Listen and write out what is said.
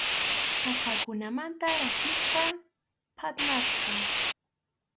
Qaqakunamanta rakisqa, phatmasqa.